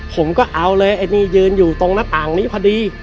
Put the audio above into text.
ผมก็เอาเลยไอ้นี่ยืนอยู่ตรงหน้าต่างนี้พอดี